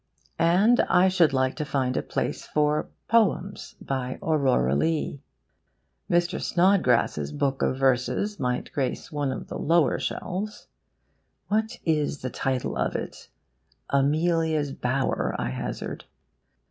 And I should like to find a place for POEMS, by AURORA LEIGH. Mr. Snodgrass's book of verses might grace one of the lower shelves. (What is the title of it? AMELIA'S BOWER, I hazard.)